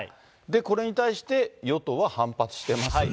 これに対して与党は反発してます。